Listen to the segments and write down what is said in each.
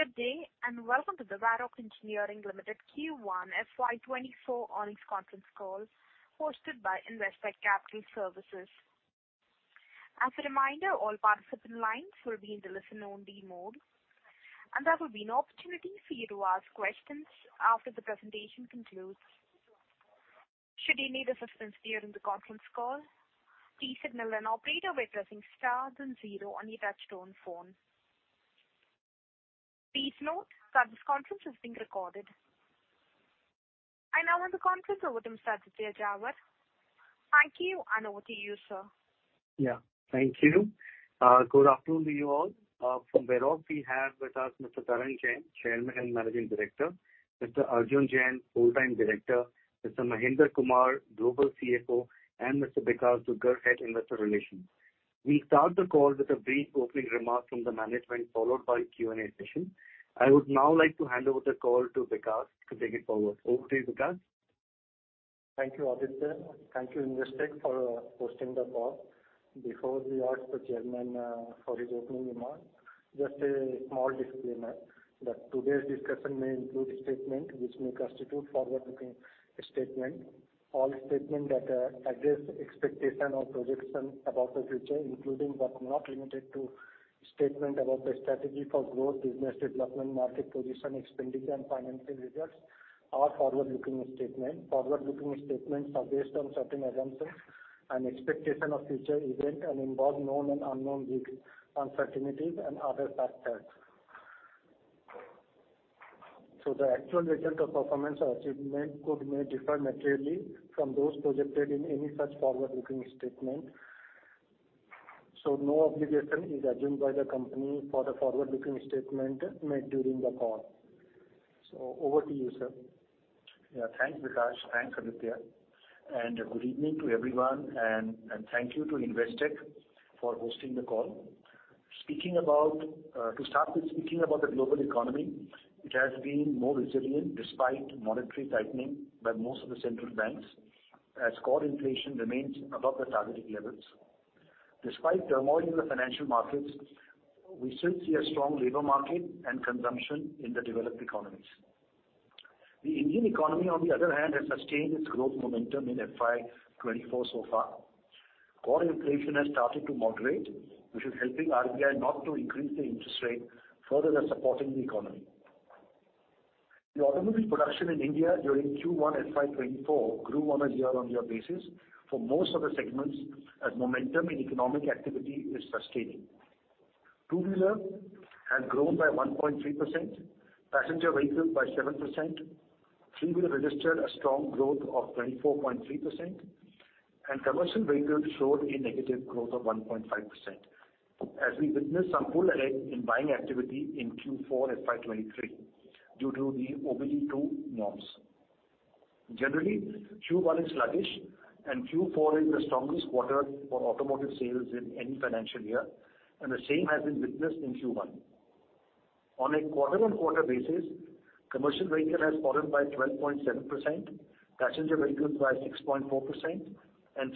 Ladies and gentlemen, good day, and welcome to the Varroc Engineering Limited Q1 FY24 earnings conference call, hosted by Investec Capital Services. As a reminder, all participant lines will be in the listen-only mode. There will be an opportunity for you to ask questions after the presentation concludes. Should you need assistance during the conference call, please signal an operator by pressing star then zero on your touchtone phone. Please note that this conference is being recorded. I now hand the conference over to Mr. Arjun Jain. Thank you. Over to you, sir. Yeah. Thank you. Good afternoon to you all. From Varroc, we have with us Mr. Tarang Jain, Chairman and Managing Director, Mr. Arjun Jain, Whole-Time Director, Mr. Mahendra Kumar, Global CFO, and Mr. Bikash Dugar, Head, Investor Relations. We start the call with a brief opening remarks from the management, followed by Q&A session. I would now like to hand over the call to Bikash to take it forward. Over to you, Bikash. Thank you, Aditya. Thank you, Investec, for hosting the call. Before we ask the chairman for his opening remarks, just a small disclaimer, that today's discussion may include statement which may constitute forward-looking statement. All statement that address expectation or projection about the future, including but not limited to, statement about the strategy for growth, business development, market position, expenditure, and financial results, are forward-looking statement. Forward-looking statements are based on certain assumptions and expectation of future events and involve known and unknown risks, uncertainties and other factors. The actual results of performance or achievement could may differ materially from those projected in any such forward-looking statement. No obligation is assumed by the company for the forward-looking statement made during the call. Over to you, sir. Yeah, thanks, Bikash. Thanks, Aditya, good evening to everyone, and thank you to Investec for hosting the call. Speaking about, to start with speaking about the global economy, it has been more resilient despite monetary tightening by most of the central banks, as core inflation remains above the targeted levels. Despite turmoil in the financial markets, we still see a strong labor market and consumption in the developed economies. The Indian economy, on the other hand, has sustained its growth momentum in FY24 so far. Core inflation has started to moderate, which is helping RBI not to increase the interest rate further than supporting the economy. The automobile production in India during Q1 FY24 grew on a year-on-year basis for most of the segments, as momentum in economic activity is sustaining. Two-wheeler has grown by 1.3%, passenger vehicles by 7%, three-wheeler registered a strong growth of 24.3%. Commercial vehicles showed a negative growth of 1.5%, as we witnessed some pull ahead in buying activity in Q4 FY23 due to the OBD-2 norms. Generally, Q1 is sluggish. Q4 is the strongest quarter for automotive sales in any financial year. The same has been witnessed in Q1. On a quarter-on-quarter basis, commercial vehicle has fallen by 12.7%, passenger vehicles by 6.4%.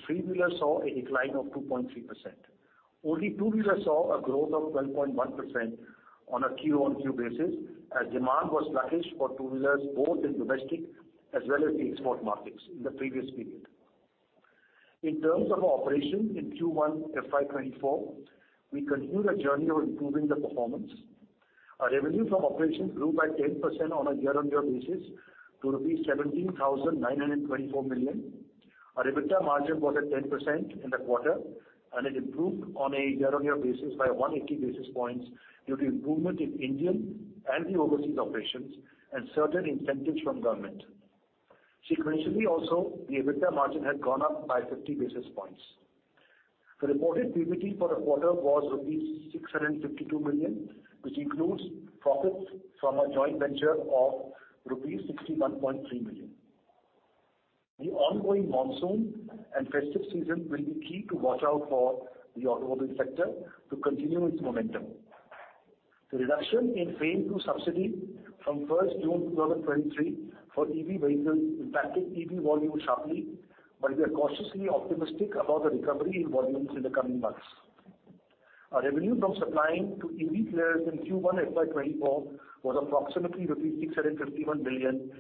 Three-wheeler saw a decline of 2.3%. Only two-wheeler saw a growth of 12.1% on a Q-on-Q basis, as demand was sluggish for two-wheelers, both in domestic as well as the export markets in the previous period. In terms of operation in Q1 FY24, we continue the journey of improving the performance. Our revenue from operations grew by 10% on a year-on-year basis to rupees 17,924 million. Our EBITDA margin was at 10% in the quarter. It improved on a year-on-year basis by 180 basis points due to improvement in Indian and the overseas operations and certain incentives from government. Sequentially also, the EBITDA margin had gone up by 50 basis points. The reported PBT for the quarter was rupees 652 million, which includes profits from our joint venture of rupees 61.3 million. The ongoing monsoon and festive season will be key to watch out for the automobile sector to continue its momentum. The reduction in FAME II subsidy from June 1, 2023 for EV vehicles impacted EV volume sharply, but we are cautiously optimistic about the recovery in volumes in the coming months. Our revenue from supplying to EV players in Q1 FY24 was approximately rupees 651 million,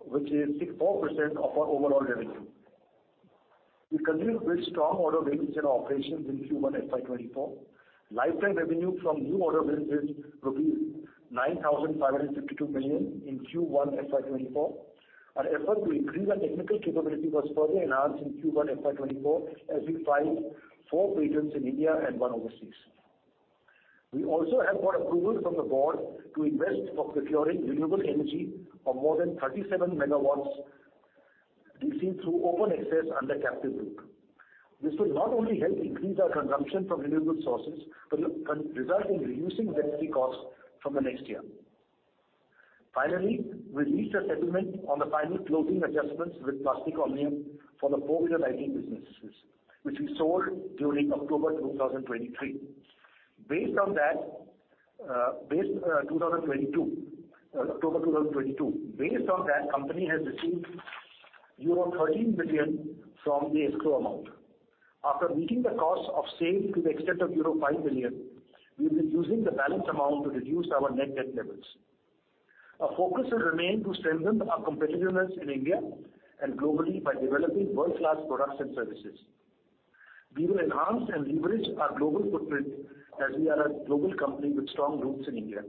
which is 64% of our overall revenue. We continued with strong order wins in our operations in Q1 FY24. Lifetime revenue from new order business, rupees 9,552 million in Q1 FY24. Our effort to increase our technical capability was further enhanced in Q1 FY24, as we filed four patents in India and one overseas. We also have got approval from the board to invest for procuring renewable energy of more than 37 megawatts DC through open access under captive group. This will not only help increase our consumption from renewable sources, but result in reducing the energy cost from the next year. Finally, we reached a settlement on the final closing adjustments with Plastic Omnium for the four-wheeler lighting businesses, which we sold during October 2023. Based on that, 2022, October 2022. Based on that, company has received- euro 13 billion from the escrow amount. After meeting the cost of sale to the extent of euro 5 billion, we will be using the balance amount to reduce our net debt levels. Our focus has remained to strengthen our competitiveness in India and globally by developing world-class products and services. We will enhance and leverage our global footprint, as we are a global company with strong roots in India.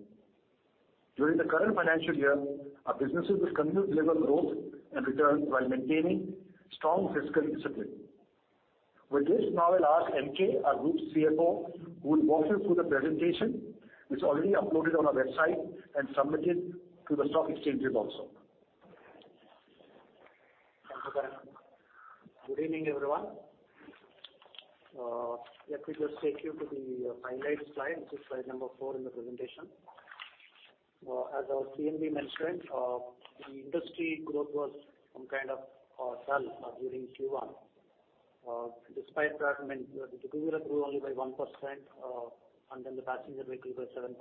During the current financial year, our businesses have continued to deliver growth and returns while maintaining strong fiscal discipline. With this, now I'll ask MK, our Group CFO, who will walk you through the presentation. It's already uploaded on our website and submitted to the stock exchanges also. Thank you, sir. Good evening, everyone. Let me just take you to the highlight slide, which is slide number four in the presentation. As our CMD mentioned, the industry growth was some kind of dull during Q1. Despite that, I mean, the two-wheeler grew only by 1%, and then the passenger vehicle by 7%.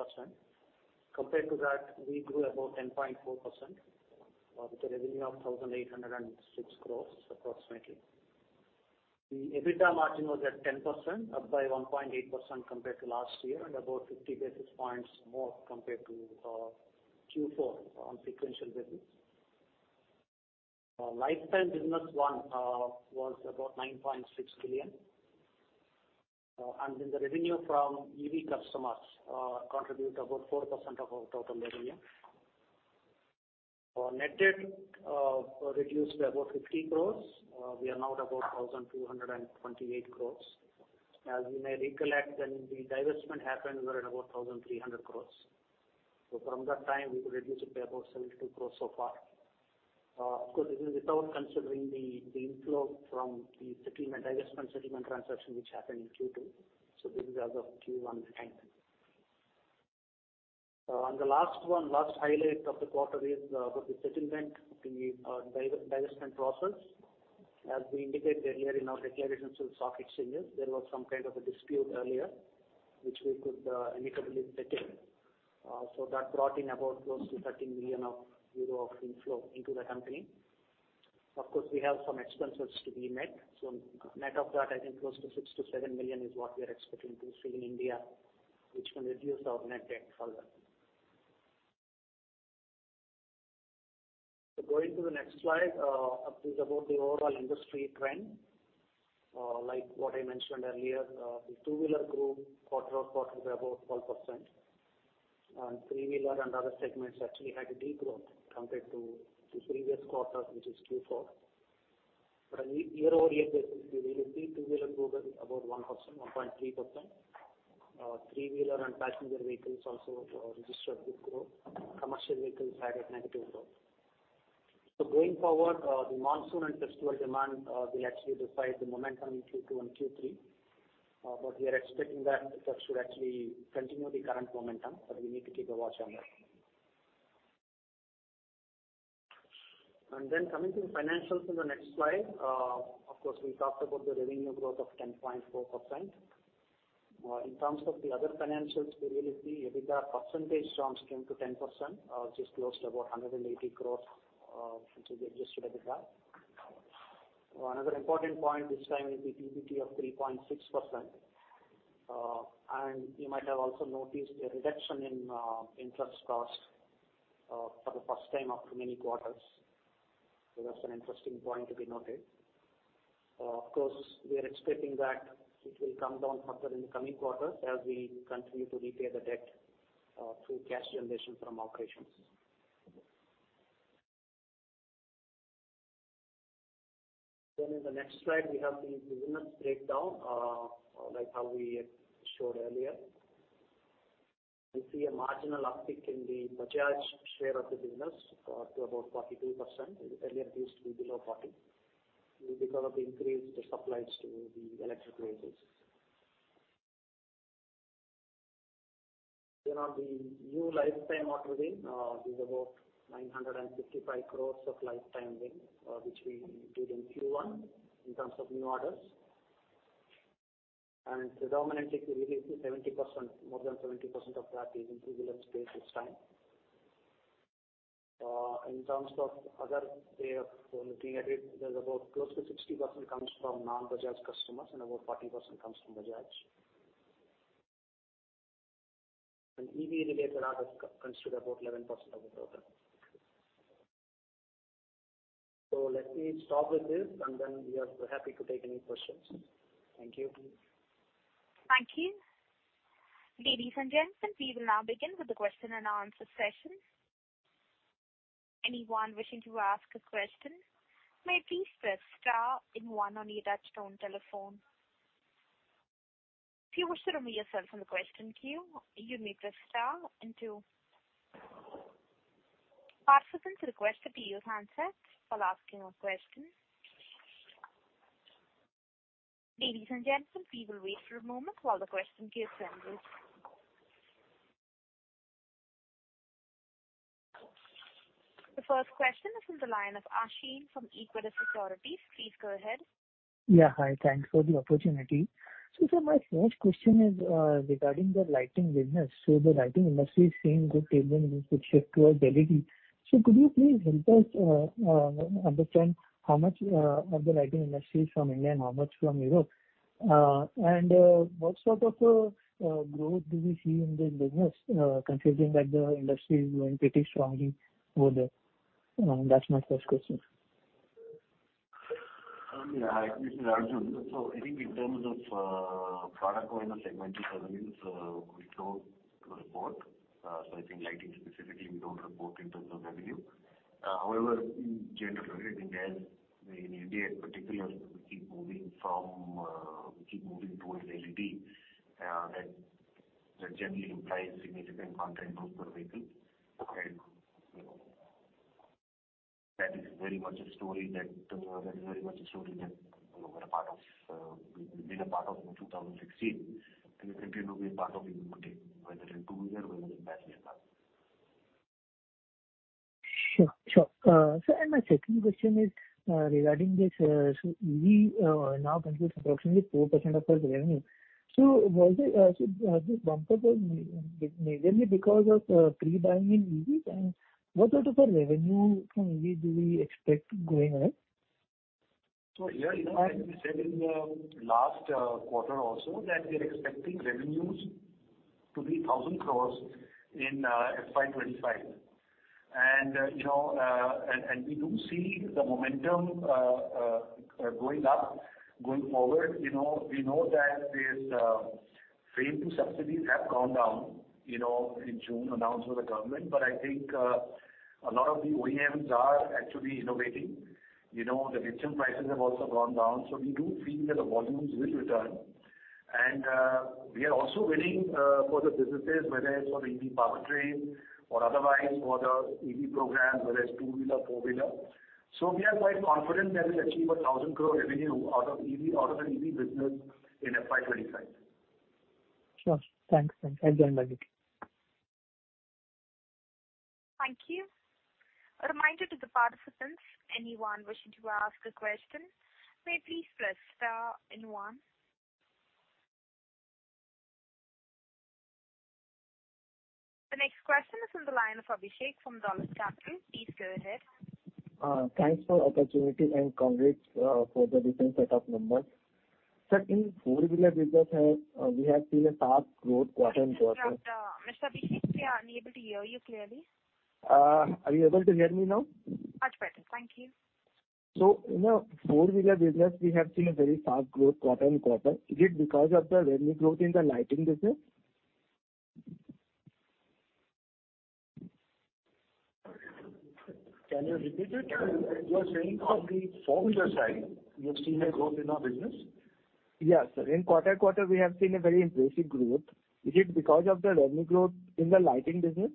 Compared to that, we grew about 10.4%, with a revenue of 1,806 crore approximately. The EBITDA margin was at 10%, up by 1.8% compared to last year, and about 50 basis points more compared to Q4 on sequential basis. Our lifetime business one was about 9.6 billion. And then the revenue from EV customers contributed about 4% of our total revenue. Our net debt reduced by about 50 crore. We are now at about 1,228 crore. As you may recollect, when the divestment happened, we were at about 1,300 crore. From that time, we could reduce it by about 72 crore so far. Of course, this is without considering the inflow from the settlement, divestment settlement transaction, which happened in Q2. This is as of Q1 ending. On the last one, last highlight of the quarter is about the settlement, the divestment process. As we indicated earlier in our declarations to the stock exchanges, there was some kind of a dispute earlier, which we could amicably settle. That brought in about close to 13 million euro of inflow into the company. Of course, we have some expenses to be met. Net of that, I think close to 6 million-7 million is what we are expecting to stay in India, which will reduce our net debt further. Going to the next slide, this is about the overall industry trend. Like what I mentioned earlier, the two-wheeler grew quarter-over-quarter by about 12%. Three-wheeler and other segments actually had a decline compared to the previous quarter, which is Q4. Year-over-year, basically, we will see two-wheeler grew by about 1%, 1.3%. Three-wheeler and passenger vehicles also registered good growth. Commercial vehicles had a negative growth. Going forward, the monsoon and festival demand will actually decide the momentum in Q2 and Q3. We are expecting that that should actually continue the current momentum, but we need to keep a watch on that. Coming to the financials on the next slide. Of course, we talked about the revenue growth of 10.4%. In terms of the other financials, we really see EBITDA percentage terms came to 10%, which is close to about 180 crore, which is the Adjusted EBITDA. Another important point this time is the PBT of 3.6%. You might have also noticed a reduction in interest cost for the first time after many quarters. That's an interesting point to be noted. Of course, we are expecting that it will come down further in the coming quarters as we continue to repay the debt through cash generation from operations. In the next slide, we have the business breakdown, like how we showed earlier. We see a marginal uptick in the Bajaj share of the business, to about 42%. Earlier, it used to be below 40. We developed increased supplies to the electric vehicles. On the new lifetime order win, is about 955 crore of lifetime win, which we did in Q1 in terms of new orders. Predominantly, we released 70%, more than 70% of that is in two-wheeler space this time. In terms of other way of looking at it, there's about close to 60% comes from non-Bajaj customers, and about 40% comes from Bajaj. EV related orders constitute about 11% of the total. Let me stop with this, and then we are happy to take any questions. Thank you. Thank you. Ladies and gentlemen, we will now begin with the question and answer session. Anyone wishing to ask a question may please press star and one on your touchtone telephone. If you wish to remove yourself from the question queue, you need press star and two. Participants, request the queue handsets while asking a question. Ladies and gentlemen, we will wait for a moment while the question queue is ended. The first question is from the line of Ashin from Equitas Securities. Please go ahead. Yeah, hi. Thanks for the opportunity. Sir, my first question is regarding the lighting business. The lighting industry is seeing good tailwind with shift towards LED. Could you please help us understand how much of the lighting industry is from India and how much from Europe? And what sort of growth do we see in this business, considering that the industry is doing pretty strongly over there? That's my first question. Yeah, hi, this is Arjun. I think in terms of product or in a segment itself, we don't report. I think lighting specifically, we don't report in terms of revenue. However, in general, I think as in India in particular, we keep moving from, we keep moving towards LED, that, that generally implies significant content growth for build plan. You know, that is very much a story that, that is very much a story that we're a part of, we've been a part of in 2016, and we continue to be a part of it, whether in two-wheeler or whether in four-wheeler. Sure, sure. My second question is, regarding this, so EV now contributes approximately 4% of our revenue. Was it so was it bump up majorly because of pre-buying in EVs? What sort of a revenue from EV do we expect going ahead? Yeah, you know, like we said in the last quarter also, that we are expecting revenues to be 1,000 crore in FY25. You know, we do see the momentum going up, going forward. You know, we know that this FAME II subsidies have gone down, you know, in June announced by the government. I think a lot of the OEMs are actually innovating. You know, the lithium prices have also gone down. We do feel that the volumes will return. We are also winning for the businesses, whether it's for the EV powertrain or otherwise, for the EV program, whether it's two-wheeler, four-wheeler. We are quite confident that we'll achieve a 1,000 crore revenue out of EV, out of an EV business in FY25. Sure. Thanks. Thanks. Thanks very much. Thank you. A reminder to the participants, anyone wishing to ask a question, may please press star and one. The next question is from the line of Abhishek from Dolat Capital. Please go ahead. Thanks for the opportunity, and congrats, for the recent set of numbers. Sir, in four-wheeler business, we have seen a sharp growth quarter-on-quarter- Mr. Abhishek, we are unable to hear you clearly. Are you able to hear me now? Much better. Thank you. In the four-wheeler business, we have seen a very sharp growth quarter on quarter. Is it because of the revenue growth in the lighting business? Can you repeat it? You are saying on the four-wheeler side, you have seen a growth in our business? Yes, sir. In quarter-on-quarter, we have seen a very impressive growth. Is it because of the revenue growth in the lighting business?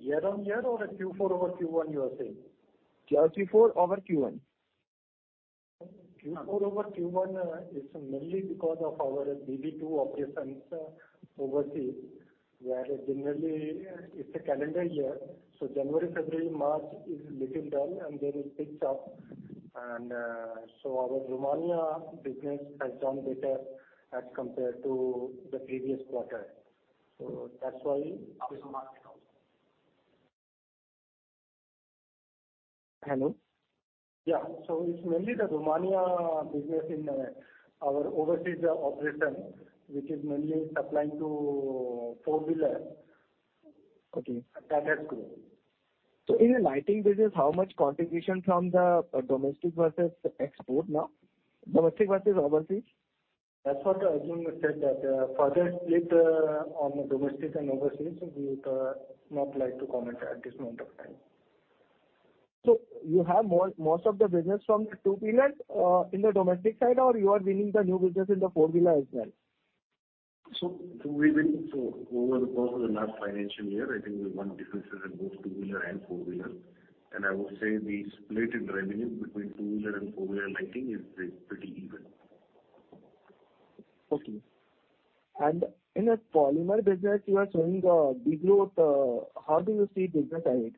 Year-on-year, or Q4 over Q1, you are saying? Q4 over Q1. Q4 over Q1 is mainly because of our two-wheeler operations overseas, where generally it's a calendar year. January, February, March is little dull, and then it picks up. Our Romania business has done better as compared to the previous quarter. That's why- Hello? Yeah. It's mainly the Romania business in our overseas operations, which is mainly supplying to four-wheeler. Okay. That has grown. In the lighting business, how much contribution from the domestic versus export now? Domestic versus overseas. That's what Arjun said, that, further split, on the domestic and overseas, we would not like to comment at this point of time. You have most of the business from the two-wheeler in the domestic side, or you are winning the new business in the four-wheeler as well? We win. Over the course of the last financial year, I think we won businesses in both two-wheeler and four-wheeler. I would say the split in revenue between two-wheeler and four-wheeler lighting is pretty even. Okay. In the polymer business, you are showing a big growth. How do you see business ahead?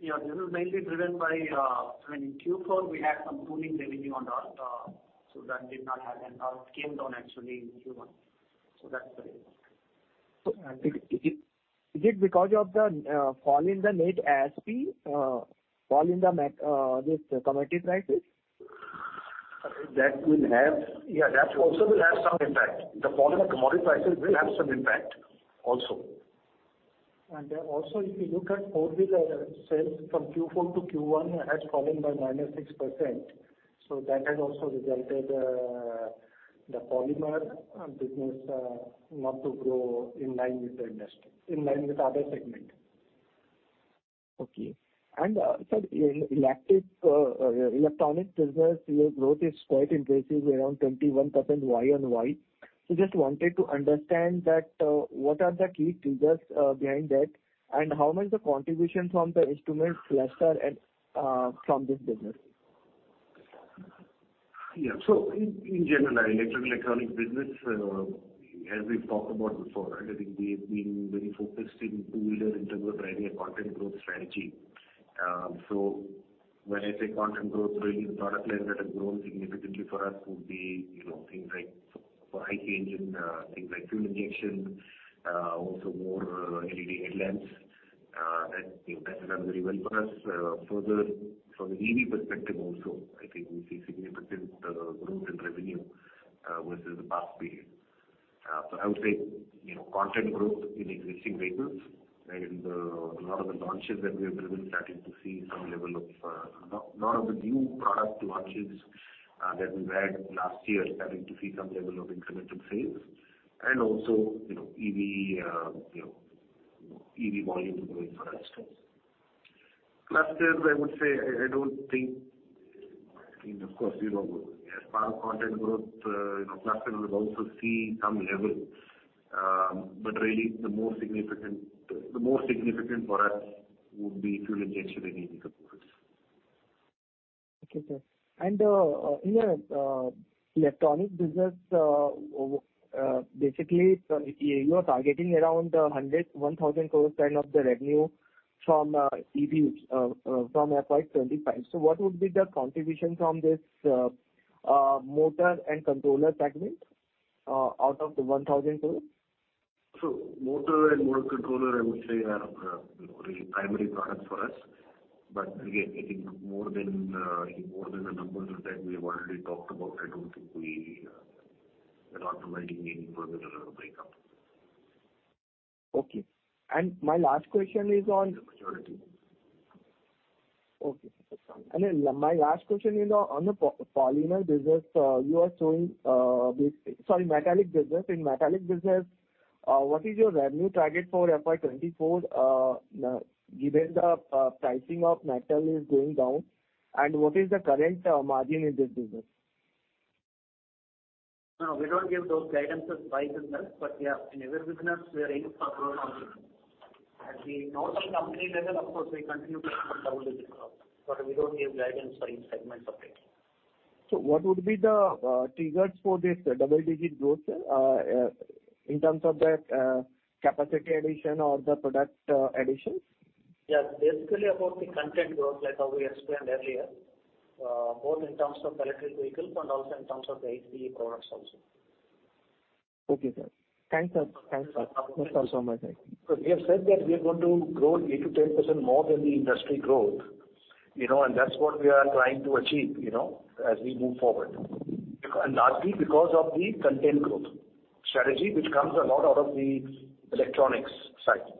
This is mainly driven by when in Q4, we had some pulling revenue on our, so that did not happen. It came down actually in Q1. That's the reason. Is it, is it because of the, fall in the net ASP, fall in the commodity prices? That will have. Yeah, that also will have some impact. The fall in the commodity prices will have some impact also. Then also, if you look at four-wheeler sales from Q4 to Q1, has fallen by -6%. That has also resulted the polymer business not to grow in line with the industry, in line with the other segment. Okay. Sir, in electric electronic business, your growth is quite impressive, around 21%. Why and why? Just wanted to understand that, what are the key triggers behind that, and how much the contribution from the instrument cluster and from this business? Yeah. In, in general, our electronic business, as we've talked about before, right, I think we've been very focused in two-wheeler in terms of driving a content growth strategy. When I say content growth, really the product lines that have grown significantly for us would be, you know, things like for high chaging things like fuel injection, also more LED headlamps, that, you know, that has done very well for us. From an EV perspective also, I think we see significant growth in revenue versus the past period. I would say, you know, content growth in existing vehicles and a lot of the launches that we have driven, starting to see some level of lot of the new product launches that we had last year, starting to see some level of incremental sales, and also, you know, EV, you know, EV volume growing for us too. Clusters, I would say, I, I don't think, I mean, of course, you know, as part of content growth, you know, clusters will also see some level. Really, the most significant, the most significant for us would be fuel injection and EV components. Okay, sir. In the electronic business, basically, you are targeting around 1,000 crore kind of the revenue from EVs from FY25. What would be the contribution from this motor and controller segment out of the 1,000 crore? Motor and motor controller, I would say, are really primary products for us. Again, I think more than more than the numbers that we have already talked about, I don't think we are optimizing any further breakdown. Okay. My last question is on- Sure. Okay. Then my last question, you know, on the polymer business. Sorry, metallic business. In metallic business, what is your revenue target for FY24, now, given the pricing of metal is going down? What is the current margin in this business? We don't give those guidances wise in that, yeah, in every business, we are aiming for growth. At the normal company level, of course, we continue to expect double-digit growth, we don't give guidance for any segment of it. What would be the triggers for this double-digit growth, sir, in terms of the capacity addition or the product addition? Yeah, basically, about the content growth, like how we explained earlier, both in terms of electric vehicles and also in terms of the ICE products also. Okay, sir. Thanks, sir. Thanks so much. We have said that we are going to grow 8%-10% more than the industry growth, you know, and that's what we are trying to achieve, you know, as we move forward. Largely because of the content growth strategy, which comes a lot out of the electronics side.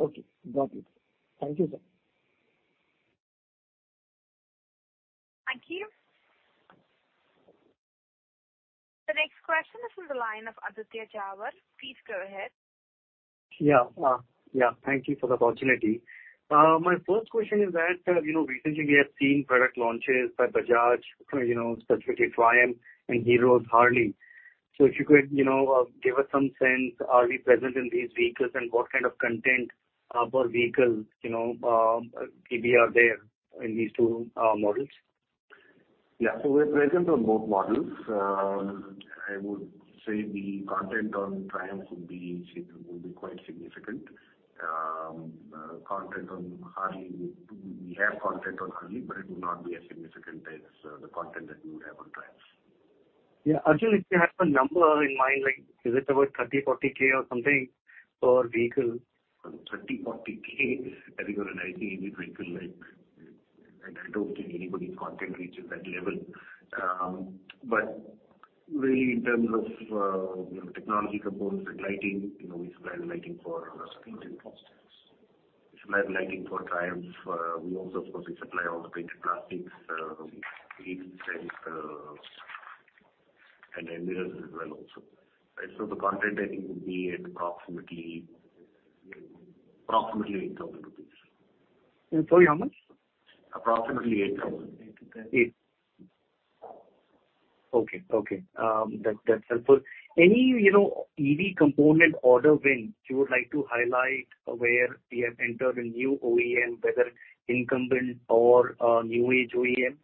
Okay, got it. Thank you, sir. Thank you. The next question is from the line of Aditya Jhawar. Please go ahead. Yeah, yeah, thank you for the opportunity. My first question is that, you know, recently we have seen product launches by Bajaj, you know, specifically Triumph and Hero's Harley. If you could, you know, give us some sense, are we present in these vehicles, and what kind of content per vehicle, you know, maybe are there in these two models? Yeah, we're present on both models. I would say the content on Triumph would be, would be quite significant. content on Harley, we have content on Harley, but it would not be as significant as the content that we would have on Triumph. Yeah, Arjun, if you have a number in mind, like, is it about 30, 40 K or something per vehicle? INR 30K-40K, I think on an EV vehicle, like, I, I don't think anybody's content reaches that level. Really, in terms of, you know, technology components, like lighting, you know, we supply lighting for Triumph. We supply lighting for Triumph. We also, of course, we supply all the painted plastics, seats, and mirrors as well, also. Right, the content, I think, would be at approximately, approximately INR 8,000. Sorry, how much? Approximately 8,000. Eight. Okay, okay. That, that's helpful. Any, you know, EV component order win you would like to highlight where we have entered a new OEM, whether incumbent or a new age OEM?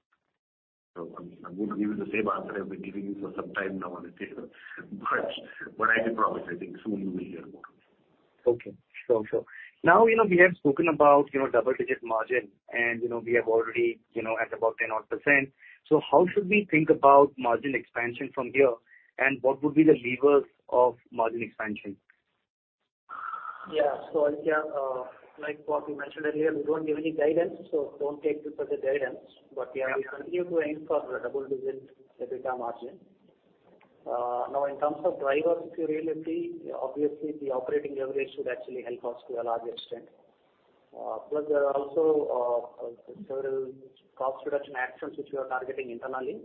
I'm going to give you the same answer I've been giving you for some time now on the table. I can promise, I think soon you will hear more. Okay, sure, sure. You know, we have spoken about, you know, double-digit margin, and, you know, we have already, you know, at about 10-odd %. How should we think about margin expansion from here, and what would be the levers of margin expansion? Yeah, yeah, like what we mentioned earlier, we don't give any guidance, so don't take this as a guidance. Yeah, we continue to aim for the double-digit EBITDA margin. Now, in terms of drivers, if you really see, obviously, the operating leverage should actually help us to a large extent. Plus, there are also several cost reduction actions which we are targeting internally,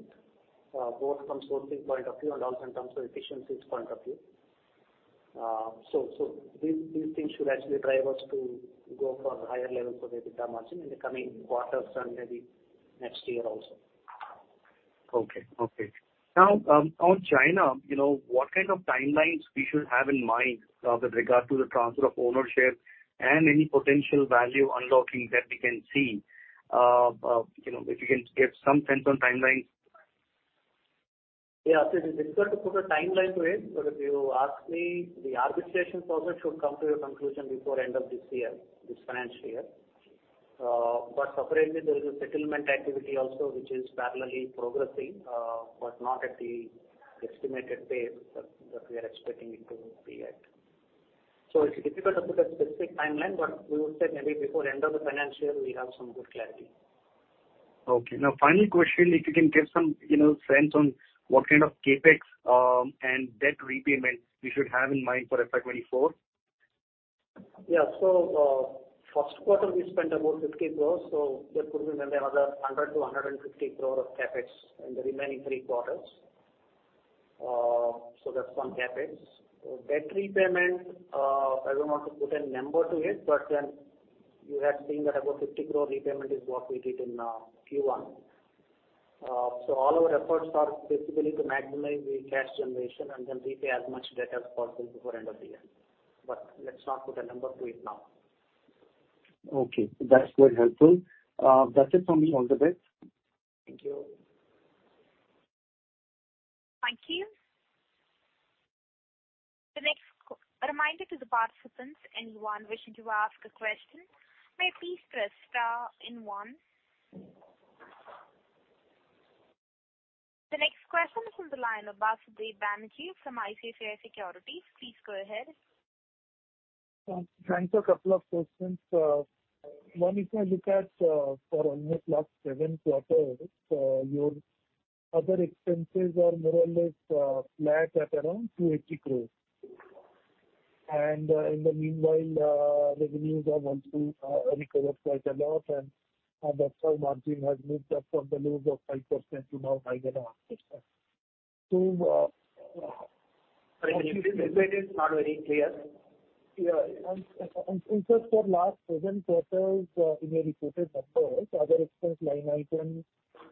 both from sourcing point of view and also in terms of efficiencies point of view. So these, these things should actually drive us to go for higher levels of EBITDA margin in the coming quarters and maybe next year also. Okay, okay. Now, on China, you know, what kind of timelines we should have in mind, with regard to the transfer of ownership and any potential value unlocking that we can see? You know, if you can give some sense on timelines. Yeah, so it is difficult to put a timeline to it, but if you ask me, the arbitration process should come to a conclusion before end of this year, this financial year. Separately, there is a settlement activity also, which is parallelly progressing, but not at the estimated pace that we are expecting it to be at. It's difficult to put a specific timeline, but we would say maybe before end of the financial year, we have some good clarity. Okay. Now, final question, if you can give some, you know, sense on what kind of CapEx, and debt repayment we should have in mind for FY24? Yeah. First quarter, we spent about 50 crore, so there could be maybe another 100-150 crore of CapEx in the remaining three quarters. That's on CapEx. Debt repayment, I don't want to put a number to it, but then you have seen that about 50 crore repayment is what we did in Q1. All our efforts are basically to maximize the cash generation and then repay as much debt as possible before end of the year. Let's not put a number to it now. Okay, that's quite helpful. That's it for me. All the best. Thank you. Thank you. The next question, a reminder to the participants, anyone wishing to ask a question, may please press star and one. The next question is from the line of Basudeb Banerjee from ICICI Securities. Please go ahead. Thanks. A couple of questions. one, if I look at, for almost last 7 quarters, your other expenses are more or less, flat at around 280 crore. In the meanwhile, revenues are wanting to, recover quite a lot, and, that's why margin has moved up from the lows of 5% to now 9.5%. Sorry, the statement is not very clear. Yeah. So for last 7 quarters, in your reported numbers, other expense line item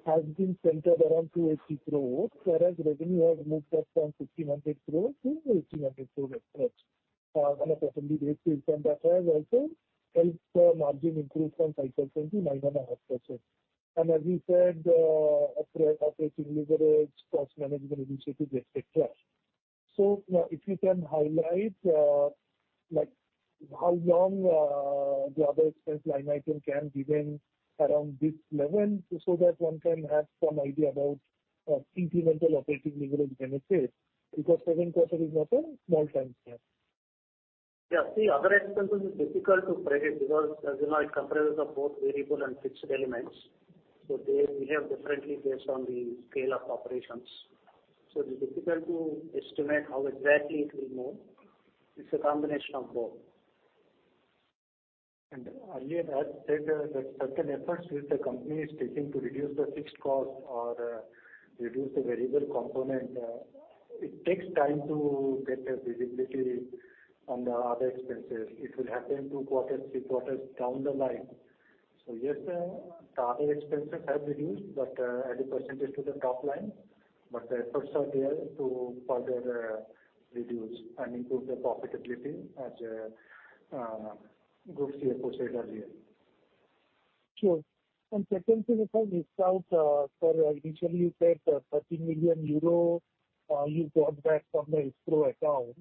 has been centered around 280 crore, whereas revenue has moved up from 1,600 crore to 1,800 crore approx, on a constantly basis, and that has also helped the margin improve from 5% to 9.5%. As you said, operating leverage, cost management initiatives, et cetera. If you can highlight, like, how long the other expense line item can remain around this level, so that one can have some idea about incremental operating leverage benefits, because 7 quarter is not a small time scale. Yeah. See, other expenses is difficult to predict, because, as you know, it comprises of both variable and fixed elements, so they behave differently based on the scale of operations. It's difficult to estimate how exactly it will move. It's a combination of both. Earlier, I said that certain efforts which the company is taking to reduce the fixed cost or reduce the variable component, it takes time to get a visibility on the other expenses. It will happen 2 quarters, 3 quarters down the line. Yes, the other expenses have reduced, but as a % to the top line, but the efforts are there to further reduce and improve the profitability as Group CFO said earlier. Sure. Secondly, sir, initially you said 30 million euro you got back from the escrow account,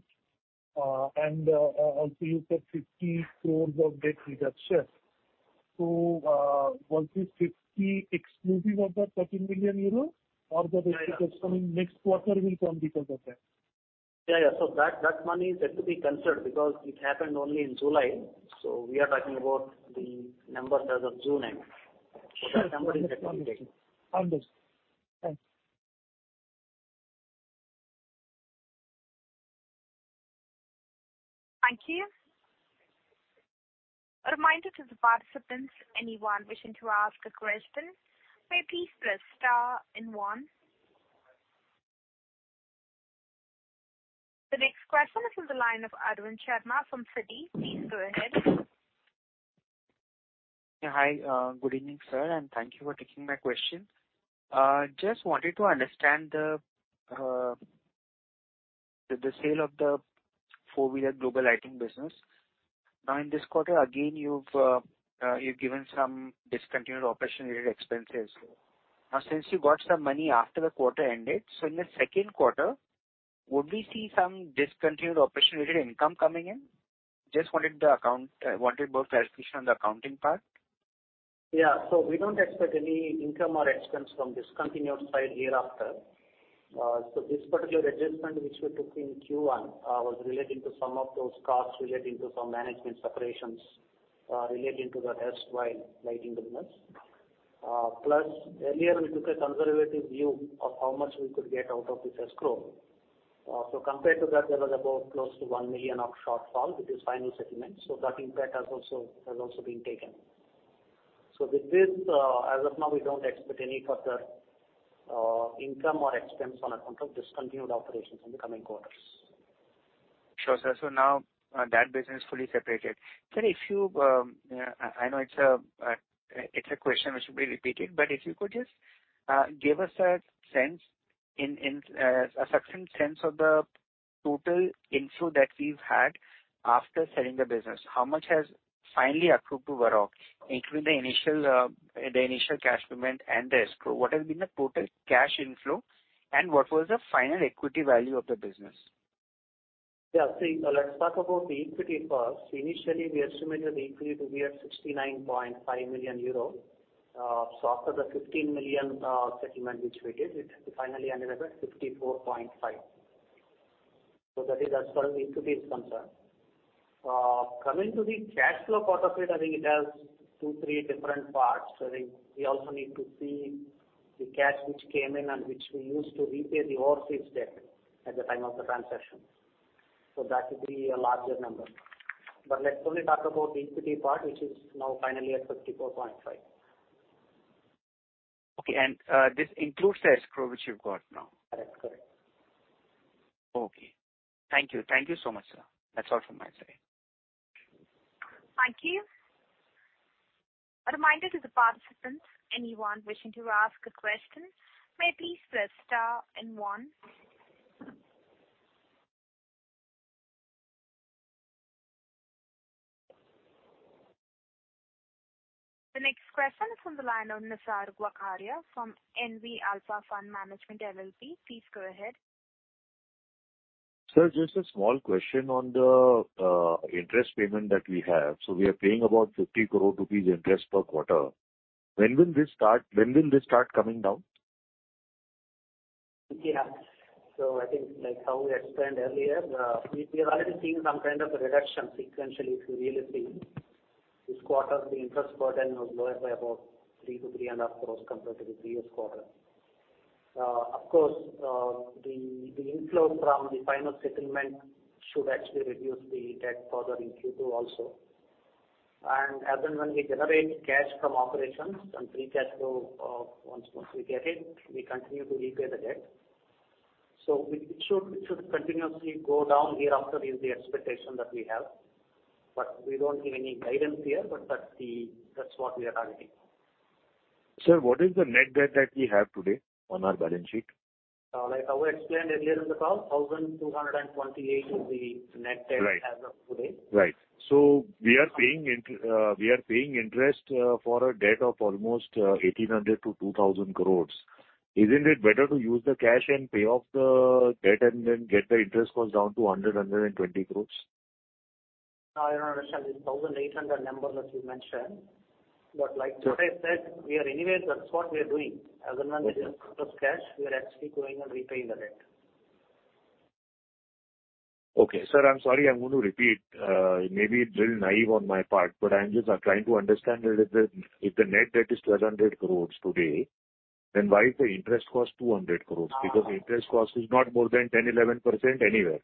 and also you said 50 crore of debt reduction. Was this 50 exclusive of the 30 million euro? The basic question in next quarter will come because of that. Yeah, yeah. That, that money is yet to be considered because it happened only in July. We are talking about the numbers as of June end. Sure. That number is yet to update. Understood. Thanks. Thank you. A reminder to the participants, anyone wishing to ask a question, may please press star and one. The next question is on the line of Arvind Sharma from Citi. Please go ahead. Hi, good evening, sir, thank you for taking my question. Just wanted to understand the sale of the four-wheeler global lighting business. Now, in this quarter, again, you've given some discontinued operation-related expenses. Since you got some money after the quarter ended, in the second quarter, would we see some discontinued operation-related income coming in? Just wanted more clarification on the accounting part. Yeah. We don't expect any income or expense from discontinued side hereafter. This particular adjustment, which we took in Q1, was relating to some of those costs relating to some management separations, relating to the worldwide lighting business. Earlier, we took a conservative view of how much we could get out of this escrow. Compared to that, there was about close to 1 million of shortfall, which is final settlement. That impact has also been taken. With this, as of now, we don't expect any further income or expense on account of discontinued operations in the coming quarters. Sure, sir. Now, that business is fully separated. Sir, if you, I, I know it's a, it's a question which will be repeated, but if you could just give us a sense in, in a certain sense of the total inflow that we've had after selling the business. How much has finally accrued to Varroc, including the initial, the initial cash payment and the escrow? What has been the total cash inflow, and what was the final equity value of the business? Yeah, see, let's talk about the equity first. Initially, we estimated the equity to be at 69.5 million euro. After the 15 million settlement, which we did, it finally ended up at 54.5 million. That is as far as equity is concerned. Coming to the cash flow part of it, I think it has two, three different parts. I think we also need to see the cash which came in and which we used to repay the overseas debt at the time of the transaction. That would be a larger number. Let's only talk about the equity part, which is now finally at 54.5 million. Okay, this includes the escrow, which you've got now? Correct, correct. Okay. Thank you. Thank you so much, sir. That's all from my side. Thank you. A reminder to the participants, anyone wishing to ask a question, may please press star and one. The next question is from the line of Nisarg Vakharia from NV Alpha Fund Management LLP. Please go ahead. Sir, just a small question on the interest payment that we have. We are paying about 50 crore rupees interest per quarter. When will this start coming down? Yeah. I think, like how we explained earlier, we, we are already seeing some kind of a reduction sequentially, if you really see. This quarter, the interest burden was lower by about 3-3.5 crore compared to the previous quarter. Of course, the, the inflow from the final settlement should actually reduce the debt further in Q2 also. As and when we generate cash from operations and free cash flow, once, once we get it, we continue to repay the debt. It, it should, it should continuously go down hereafter is the expectation that we have. We don't give any guidance here, but that's what we are targeting. Sir, what is the net debt that we have today on our balance sheet? Like I explained earlier in the call, 1,228 is the net debt. Right. as of today. Right. We are paying interest for a debt of almost 1,800 crore-2,000 crore. Isn't it better to use the cash and pay off the debt and then get the interest cost down to 100 crore-120 crore? I don't understand this 1,800 number that you mentioned, but like what I said, we are anyways, that's what we are doing. As and when we get excess cash, we are actually going and repaying the debt. Okay, sir, I'm sorry, I'm going to repeat. Maybe it's little naive on my part, but I'm just, trying to understand a little bit. If the net debt is 1,200 crore today, why is the interest cost 200 crore? Uh. Because interest cost is not more than 10%, 11% anywhere.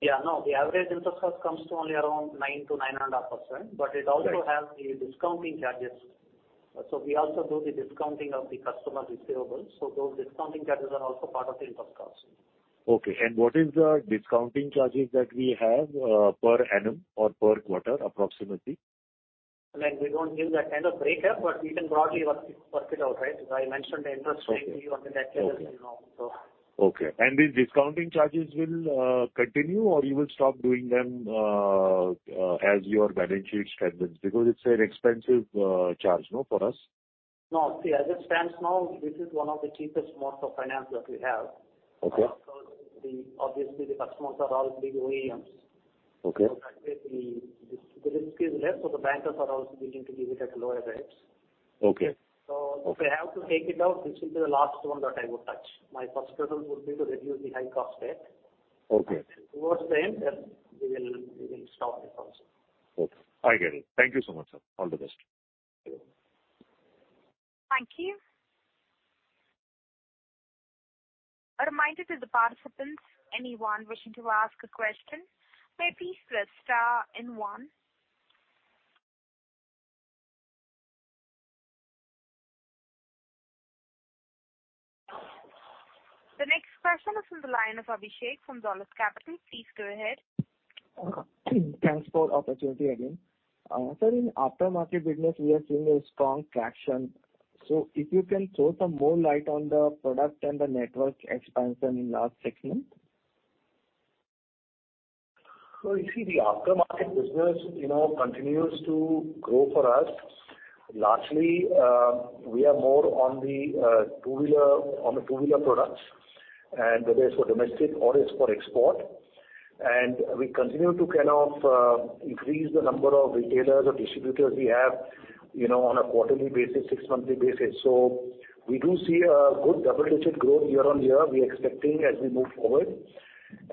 Yeah, no, the average interest cost comes to only around 9%-9.5%. Right. It also has the discounting charges. We also do the discounting of the customer's receivables, those discounting charges are also part of the interest cost. Okay. What is the discounting charges that we have, per annum or per quarter, approximately? Like, we don't give that kind of breakup, but we can broadly work, work it out, right? I mentioned the interest rate- Okay. earlier on in that case, you know, so. Okay. These discounting charges will continue or you will stop doing them as your balance sheet strengthens? Because it's an expensive charge, no, for us? No, see, as it stands now, this is one of the cheapest modes of finance that we have. Okay. Also, the obviously, the customers are all big OEMs. Okay. That way the, the risk is less, so the bankers are also willing to give it at lower rates. Okay, okay. If I have to take it out, this will be the last one that I would touch. My first hurdle would be to reduce the high-cost debt. Okay. Towards the end, we will, we will stop it also. Okay, I get it. Thank you so much, sir. All the best. Thank you. Thank you. A reminder to the participants, anyone wishing to ask a question, may please press star and 1. The next question is from the line of Abhishek from Dolat Capital. Please go ahead. Thanks for the opportunity again. Sir, in aftermarket business, we are seeing a strong traction. If you can throw some more light on the product and the network expansion in last six months. You see, the aftermarket business, you know, continues to grow for us. Lastly, we are more on the two-wheeler, on the two-wheeler products, and whether it's for domestic or it's for export. We continue to kind of increase the number of retailers or distributors we have, you know, on a quarterly basis, six-monthly basis. We do see a good double-digit growth year on year, we are expecting as we move forward.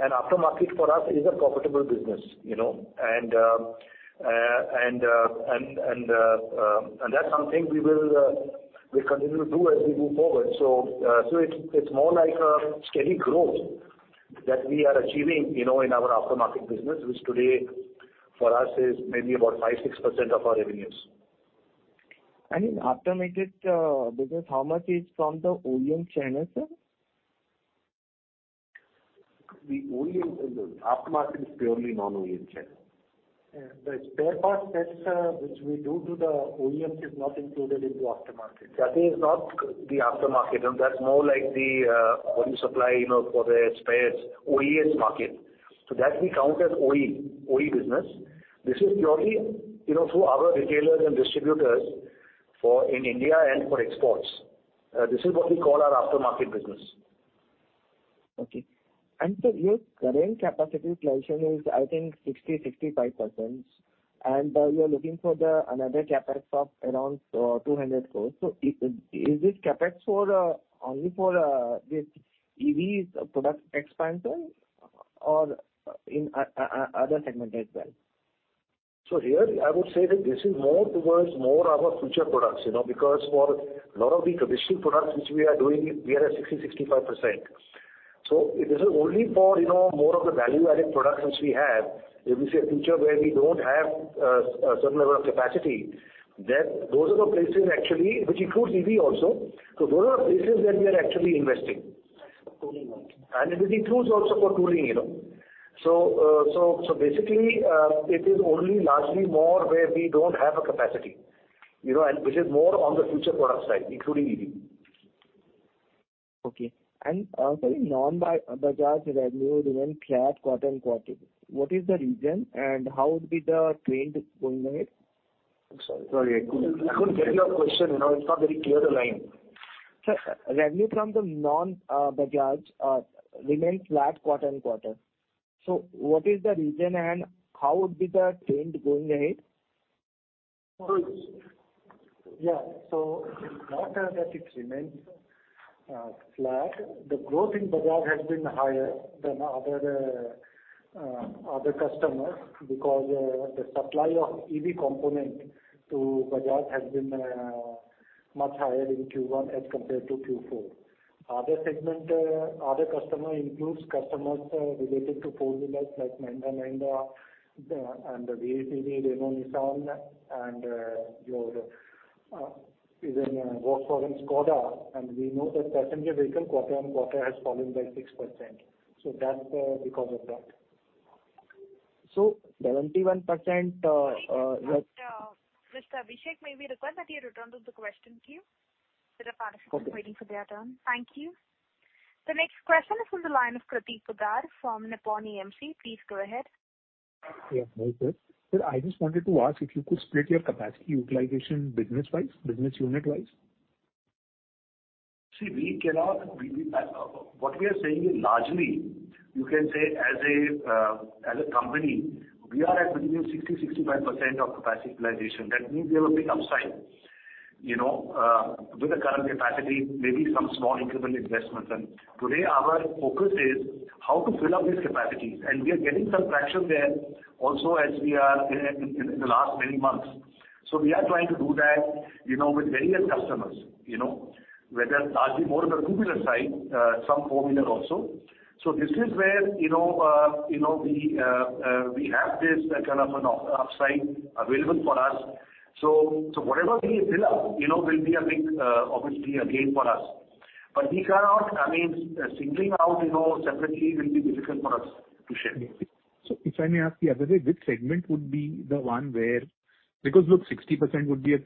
Aftermarket for us is a profitable business, you know, and that's something we will continue to do as we move forward. It's more like a steady growth that we are achieving, you know, in our aftermarket business, which today, for us, is maybe about 5%, 6% of our revenues. In aftermarket business, how much is from the OEM channel, sir? The OEM in the aftermarket is purely non-OEM channel. The spare parts that, which we do to the OEM is not included into aftermarket. That is not the aftermarket. That's more like the body supply, you know, for the spares, OEM market. That we count as OE, OE business. This is purely, you know, through our retailers and distributors for in India and for exports. This is what we call our aftermarket business. Okay. Your current capacity utilization is, I think, 60%-65%, and you are looking for another CapEx of around 200 crore. Is this CapEx for only for this EVs product expansion or in other segment as well? Here I would say that this is more towards more our future products, you know, because for a lot of the traditional products which we are doing, we are at 60%-65%. This is only for, you know, more of the value-added products which we have. If we see a future where we don't have a certain level of capacity, then those are the places actually, which includes EV also. Those are the places where we are actually investing. Tooling, right. It includes also for tooling, you know. Basically, it is only largely more where we don't have a capacity, you know, and which is more on the future product side, including EV. Okay. sorry, non-Bajaj revenue remained flat quarter-on-quarter. What is the reason, and how would be the trend going ahead? I'm sorry. Sorry, I couldn't, I couldn't get your question. You know, it's not very clear, the line. Sir, revenue from the non, Bajaj, remained flat quarter-on-quarter. What is the reason, and how would be the trend going ahead? Yeah. Not that it remains flat. The growth in Bajaj has been higher than other other customers because the supply of EV component to Bajaj has been much higher in Q1 as compared to Q4. Other segment, other customer includes customers related to four-wheelers like Mahindra & Mahindra and VW, Renault Nissan, and your even Volkswagen, Skoda, and we know that passenger vehicle quarter-on-quarter has fallen by 6%. That's because of that. So seventy-one percent, uh, uh- Mr. Abhishek, may we request that you return to the question queue? There are participants waiting for their turn. Okay. Thank you. The next question is from the line of Prateek Poddar from Nippon India AMC. Please go ahead. Yeah, hi, sir. Sir, I just wanted to ask if you could split your capacity utilization business-wise, business unit-wise? See, we cannot, we, we, what we are saying is, largely, you can say, as a, as a company, we are at between 60%-65% of capacity utilization. That means there is a big upside, you know, with the current capacity, maybe some small incremental investments. Today our focus is how to fill up these capacities, and we are getting some traction there also, as we are in, in, in the last many months. We are trying to do that, you know, with various customers, you know, whether largely more on the two-wheeler side, some four-wheeler also. This is where, you know, you know, we, we have this kind of an up- upside available for us. Whatever we fill up, you know, will be a big, obviously, a gain for us. We cannot. I mean, singling out, you know, separately will be difficult for us to share. If I may ask you, Abhishek, which segment would be the one where. Because, look, 60% would be a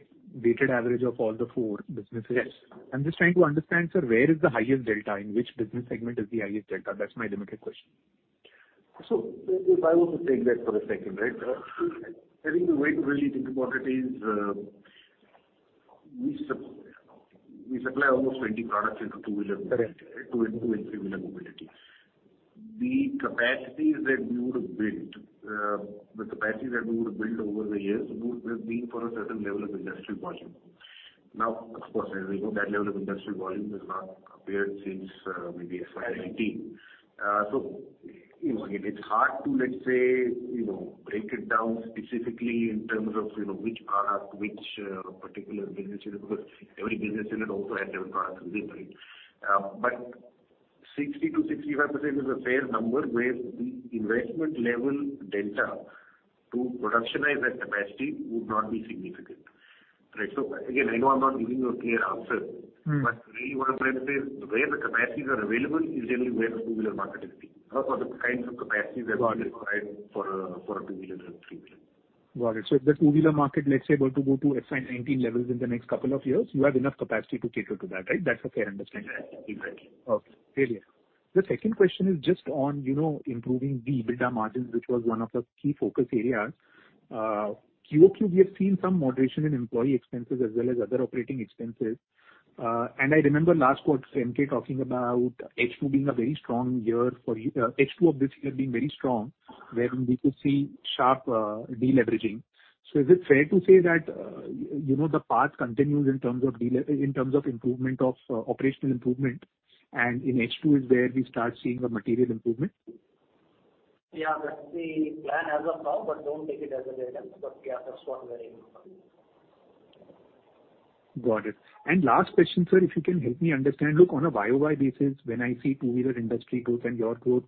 weighted average of all the four businesses. Yes. I'm just trying to understand, sir, where is the highest delta? In which business segment is the highest delta? That's my limited question. If I were to take that for a second, right? I think the way to really think about it is, we supply almost 20 products into two-wheeler. Correct. Two and three-wheeler mobility. The capacities that we would build, the capacities that we would build over the years would have been for a certain level of industrial volume. Of course, as you know, that level of industrial volume has not appeared since maybe FY19. You know, it's hard to, let's say, you know, break it down specifically in terms of, you know, which product, which particular business, you know, because every business unit also has their products differently. 60%-65% is a fair number, where the investment level delta to productionize that capacity would not be significant. Right. Again, I know I'm not giving you a clear answer- Mm. Really what I'm trying to say is, where the capacities are available is generally where the two-wheeler market is big, or for the kinds of capacities that are required. Got it. For a two-wheeler and three-wheeler. Got it. If the two-wheeler market, let's say, were to go to FY19 levels in the next two years, you have enough capacity to cater to that, right? That's a fair understanding. Exactly. Okay, very clear. The second question is just on, you know, improving the EBITDA margins, which was one of the key focus areas. QOQ, we have seen some moderation in employee expenses as well as other operating expenses. I remember last quarter, MK talking about H2 being a very strong year for you, H2 of this year being very strong, wherein we could see sharp deleveraging. Is it fair to say that, you know, the path continues in terms of improvement of operational improvement, and in H2 is where we start seeing a material improvement? Yeah, that's the plan as of now, but don't take it as a guidance, but yeah, that's what we are aiming for. Got it. Last question, sir, if you can help me understand, look, on a YOY basis, when I see two-wheeler industry growth and your growth,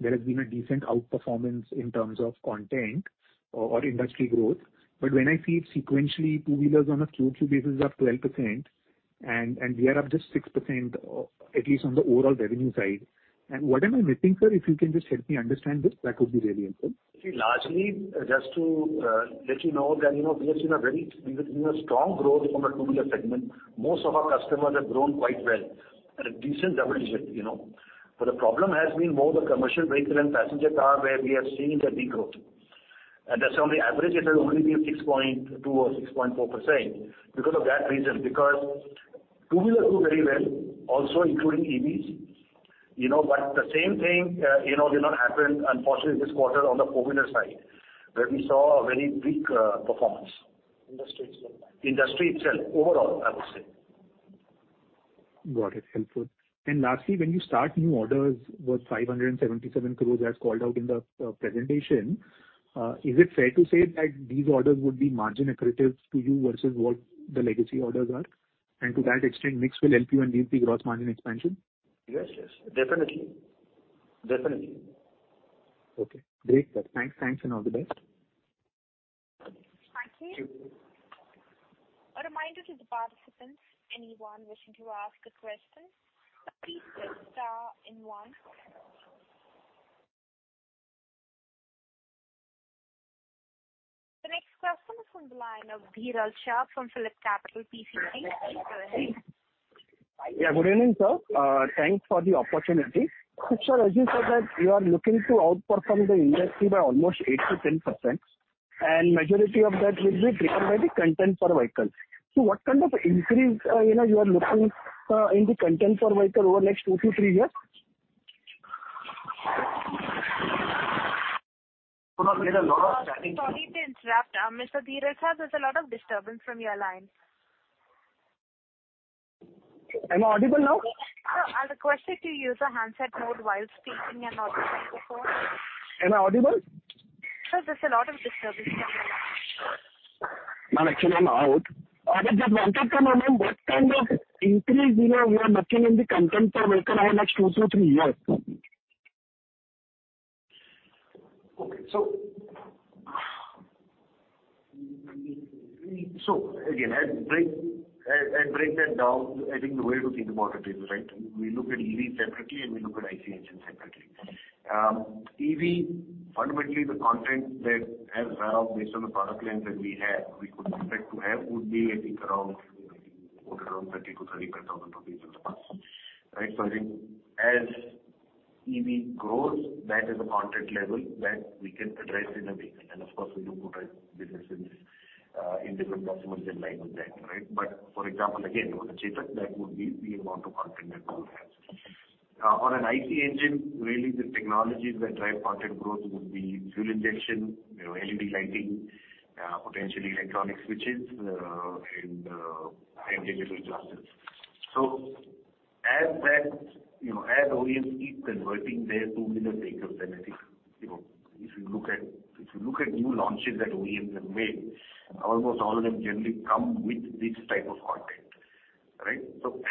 there has been a decent outperformance in terms of content or industry growth. When I see it sequentially, two-wheelers on a QOQ basis are up 12%, and we are up just 6%, at least on the overall revenue side. What am I missing, sir? If you can just help me understand this, that would be really helpful. See, largely, just to let you know that, you know, we have seen a very, we've seen a strong growth from the two-wheeler segment. Most of our customers have grown quite well, at a decent double digit, you know. The problem has been more the commercial vehicle and passenger car, where we have seen a degrowth. That's on the average, it has only been 6.2 or 6.4%. Because of that reason, because two-wheeler do very well, also including EVs, you know, but the same thing, you know, did not happen unfortunately, this quarter on the four-wheeler side, where we saw a very weak performance. Industry itself? Industry itself, overall, I would say. Got it. Helpful. Lastly, when you start new orders worth 577 crores, as called out in the presentation, is it fair to say that these orders would be margin accretive to you versus what the legacy orders are? To that extent, mix will help you and give the growth margin expansion? Yes, yes, definitely. Definitely. Okay, great, sir. Thanks, thanks, and all the best. Thank you. A reminder to the participants, anyone wishing to ask a question, please press star and one. The next question is from the line of D. Rashad from PhillipCapital PCC. Yeah, good evening, sir. Thanks for the opportunity. Sir, as you said, that you are looking to outperform the industry by almost 8% to 10%, Majority of that will be driven by the content per vehicle. What kind of increase, you know, you are looking in the content per vehicle over the next two to three years? Sorry to interrupt, Mr. D. Rashad, there's a lot of disturbance from your line. Am I audible now? Sir, I request you to use a handset mode while speaking and not the microphone. Am I audible? Sir, there's a lot of disturbance on your line. Ma'am, actually, I'm out. If that one can come on, what kind of increase, you know, you are looking in the content per vehicle over the next two to three years? Okay, again, I'd break that down. I think the way to think about it is, right, we look at EV separately, and we look at IC engine separately. EV, fundamentally, the content that has been around based on the power plants that we have, we could expect to have, would be, I think, around 30,000-35,000 in the past. Right. I think as EV grows, that is a content level that we can address in a way. Of course, we look to drive businesses, in different customers in line with that, right. For example, again, on the Chetak, that would be amount of content that we would have. On an IC engine, really the technologies that drive content growth would be fuel injection, you know, LED lighting, potentially electronic switches, and individual classes. As that, you know, as OEMs keep converting their 2 million vehicles, then I think, you know, if you look at, if you look at new launches that OEMs have made, almost all of them generally come with this type of content, right?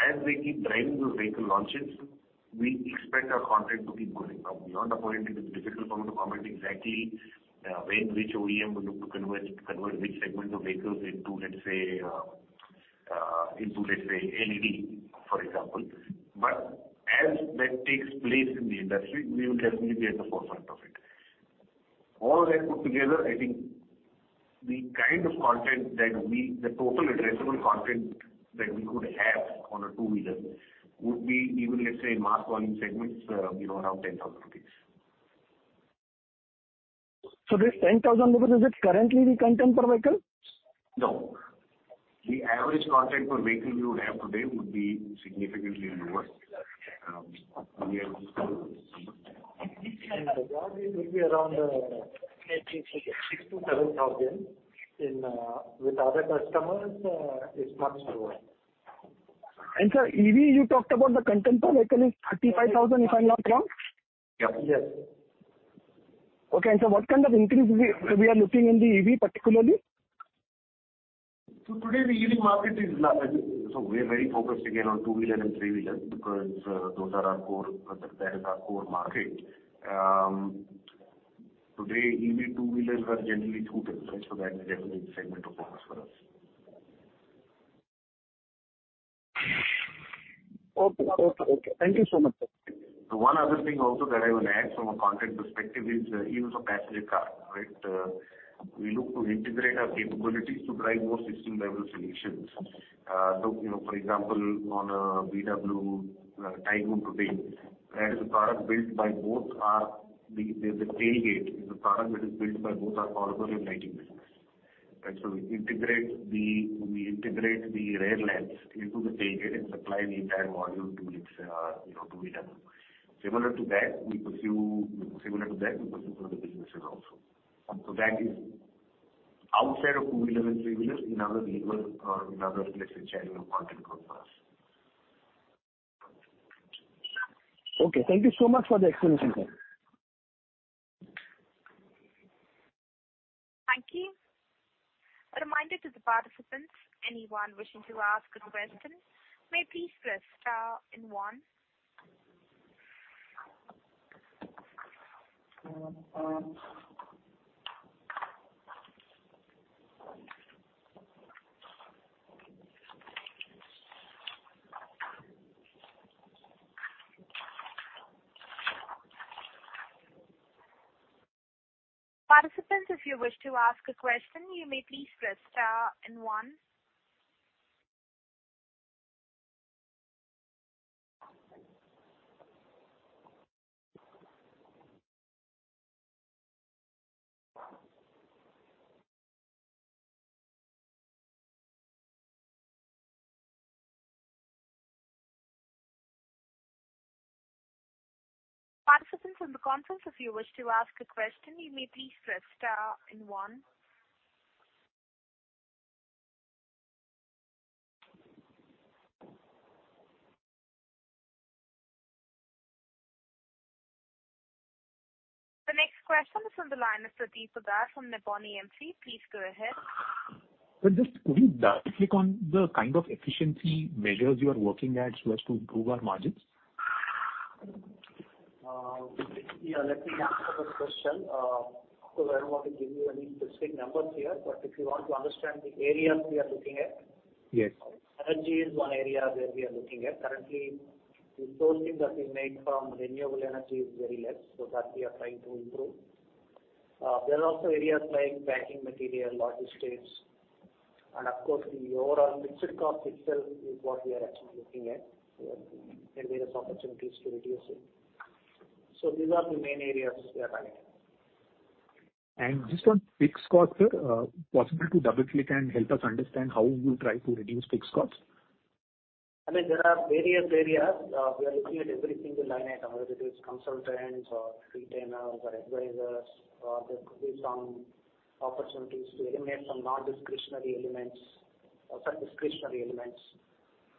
As we keep driving those vehicle launches, we expect our content to keep going up. Beyond the point, it is difficult for me to comment exactly, when which OEM will look to convert, convert which segment of vehicles into, let's say, into, let's say, LED, for example. As that takes place in the industry, we will definitely be at the forefront of it. All that put together, I think the kind of content that we, the total addressable content that we could have on a two-wheeler, would be even, let's say, mass volume segments, you know, around 10,000 rupees. This 10,000 rupees, is it currently the content per vehicle? No. The average content per vehicle you have today would be significantly lower, year on year. It will be around 6,000-7,000. In with other customers, it's much lower. Sir, EV, you talked about the content per vehicle is 35,000, if I'm not wrong? Yep. Yes. Okay, so what kind of increase we are looking in the EV particularly? Today, the EV market is we're very focused again on two-wheeler and three-wheeler, because those are our core, that is our core market. Today, EV two-wheelers are generally scooters, right? That is a segment of focus for us. Okay. Okay, okay. Thank you so much, sir. One other thing also that I would add from a content perspective is, even for passenger car, right? We look to integrate our capabilities to drive more system-level solutions. You know, for example, on a VW Tiguan today, that is a product built by both our, the tailgate, is a product that is built by both our power and lighting business. Right, we integrate the rear lamps into the tailgate and supply the entire module to its, you know, to VW. Similar to that, we pursue other businesses also. That is outside of two-wheeler and three-wheeler, another lever, another potential channel of content growth for us. Okay, thank you so much for the explanation, sir. Thank you. A reminder to the participants, anyone wishing to ask a question, may please press star and one. Participants, if you wish to ask a question, you may please press star and one. Participants in the conference, if you wish to ask a question, you may please press star and one. The next question is on the line of Pradeep Agarwal from Nippon AMC. Please go ahead. Just could we double click on the kind of efficiency measures you are working at so as to improve our margins? Yeah, let me answer this question. I don't want to give you any specific numbers here, but if you want to understand the areas we are looking at. Yes. Energy is one area where we are looking at. Currently, the sourcing that we make from renewable energy is very less, so that we are trying to improve. There are also areas like packing material, logistics, and of course, the overall fixed cost itself is what we are actually looking at, and various opportunities to reduce it. These are the main areas we are looking at. Just on fixed costs, sir, possible to double-click and help us understand how you try to reduce fixed costs? I mean, there are various areas, we are looking at every single line item, whether it is consultants or freelancers or advisors, or there could be some opportunities to eliminate some non-discretionary elements or some discretionary elements.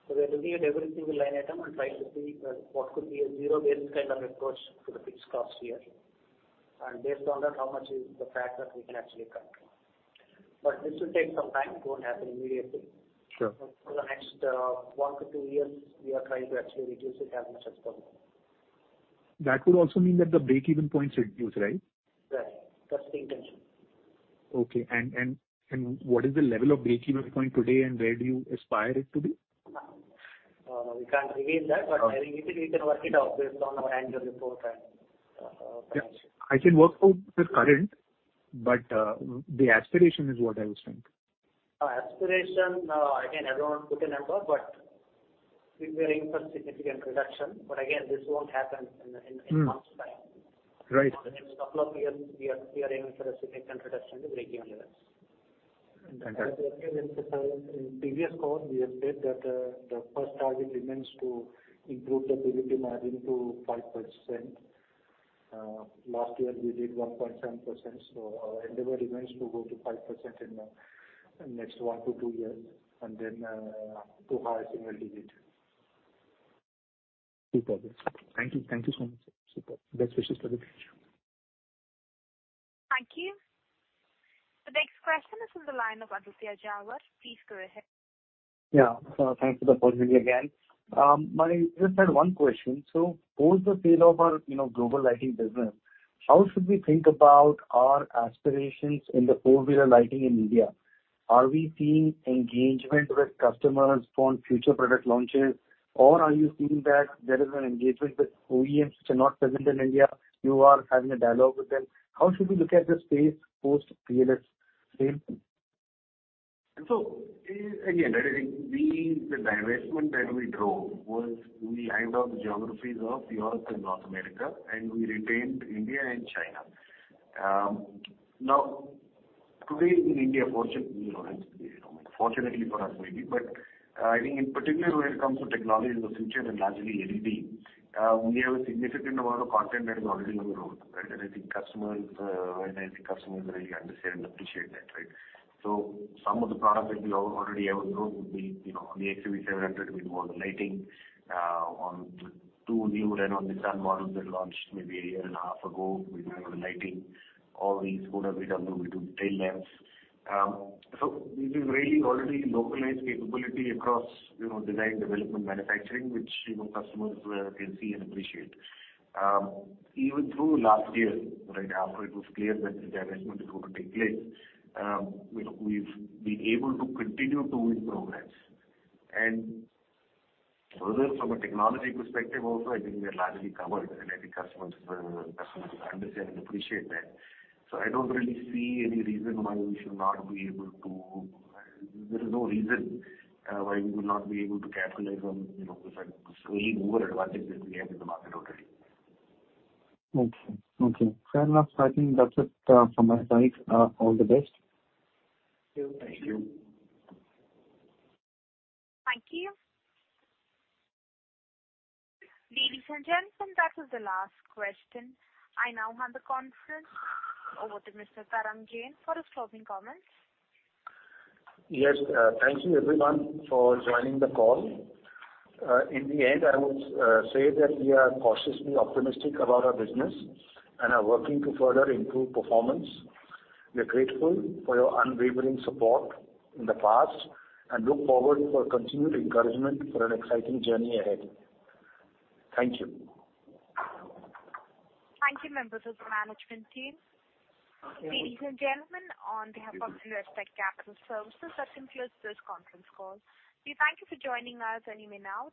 We have to look at every single line item and try to see what could be a zero-based kind of approach to the fixed costs here. Based on that, how much is the fat that we can actually cut down. This will take some time, it won't happen immediately. Sure. For the next one to two years, we are trying to actually reduce it as much as possible. That would also mean that the break-even point should reduce, right? Right. That's the intention. Okay, what is the level of break-even point today, and where do you aspire it to be? we can't reveal that, but I think we can work it out based on our annual report. Yes. I can work out the current, but, the aspiration is what I was thinking. Aspiration, again, I don't want to put a number, but we are in for significant reduction. Again, this won't happen in, in one time. Right. In the next two years, we are aiming for a significant reduction in the break-even levels. Thank you. In previous calls, we have said that, the first target remains to improve the EBITDA margin to 5%. Last year, we did 1.7%, so our endeavor remains to go to 5% in the next one to two years, and then, to higher single digit. No problem. Thank you. Thank you so much, sir. Best wishes for the future. Thank you. The next question is on the line of Aditya Jhawar. Please go ahead. Yeah, thanks for the opportunity again. I just had one question. Post the sale of our, you know, global lighting business, how should we think about our aspirations in the four-wheeler lighting in India? Are we seeing engagement with customers on future product launches, or are you seeing that there is an engagement with OEMs which are not present in India, you are having a dialogue with them? How should we look at the space post VLS sale? Again, I think we, the divestment that we drove was we lined up the geographies of Europe and North America, and we retained India and China. Now, today, in India, fortunately for us, maybe, but I think in particular, when it comes to technology in the future, and largely LED, we have a significant amount of content that is already on the road, right? And I think customers, I think customers really understand and appreciate that, right? Some of the products that we already have on the road would be, you know, on the XUV700, we do all the lighting, on the two new Renault Nissan models that launched maybe one point five years ago, we do all the lighting. All these would have been available to tail lamps. We've been really already localized capability across, you know, design, development, manufacturing, which, you know, customers can see and appreciate. Even through last year, right after it was clear that the divestment is going to take place, you know, we've been able to continue to win programs. Further, from a technology perspective also, I think we are largely covered, and I think customers, customers understand and appreciate that. I don't really see any reason why we should not be able to. There is no reason why we will not be able to capitalize on, you know, this growing market that we have in the market already. Okay, okay. Fair enough. I think that's it, from my side. All the best. Thank you. Thank you. Ladies and gentlemen, that was the last question. I now hand the conference over to Mr. Arjun Jain for his closing comments. Yes, thank you everyone for joining the call. In the end, I would say that we are cautiously optimistic about our business and are working to further improve performance. We are grateful for your unwavering support in the past, and look forward for continued encouragement for an exciting journey ahead. Thank you. Thank you, members of the management team. Ladies and gentlemen, on behalf of Investec Capital Services, that concludes this conference call. We thank you for joining us, and you may now disconnect.